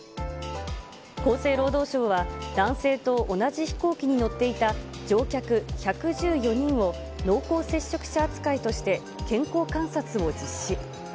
厚生労働省は、男性と同じ飛行機に乗っていた乗客１１４人を、濃厚接触者扱いとして健康観察を実施。